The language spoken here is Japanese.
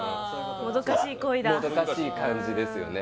もどかしい感じですよね